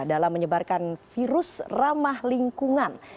dalam menyebarkan virus ramah lingkungan